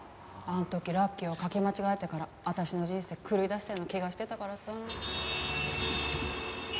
あの時「ＬＵＣＫＹ」を書き間違えてから私の人生狂いだしたような気がしてたからさ。